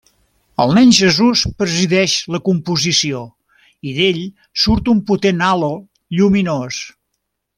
El nen Jesús presideix la composició, i d'Ell surt un potent halo lluminós.